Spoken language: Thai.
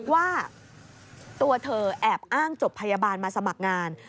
ว่าตัวเธอแอบอ้างจบพยาบาลมาสมัครงาน